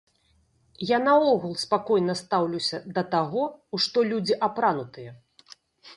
Я наогул спакойна стаўлюся да таго, у што людзі апранутыя.